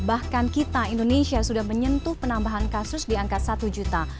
bahkan kita indonesia sudah menyentuh penambahan kasus di angka satu juta